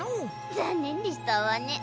ざんねんでしたわね。